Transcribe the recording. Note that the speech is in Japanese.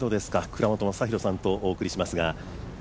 倉本昌弘さんとお送りします。